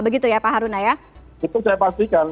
begitu ya pak haruna ya itu saya pastikan